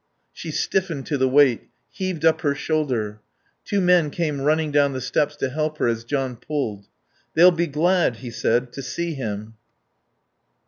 She stiffened to the weight, heaved up her shoulder. Two men came running down the steps to help her as John pulled. "They'll be glad," he said, "to see him."